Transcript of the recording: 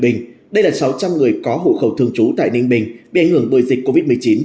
bình đây là sáu trăm linh người có hộ khẩu thương chú tại ninh bình bị ảnh hưởng bởi dịch covid một mươi chín